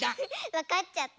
わかっちゃった。